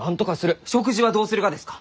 食事はどうするがですか？